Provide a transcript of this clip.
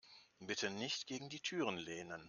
Bitte nicht gegen die Türen lehnen.